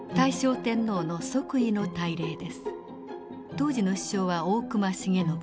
当時の首相は大隈重信。